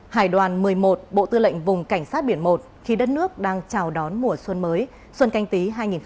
hải đoàn một mươi một bộ tư lệnh vùng cảnh sát biển một khi đất nước đang chào đón mùa xuân mới xuân canh tí hai nghìn hai mươi